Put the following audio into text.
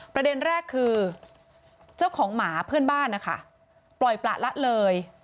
ประเด็นแรกคือเจ้าของหมาเพื่อนบ้านนะคะปล่อยประละเลย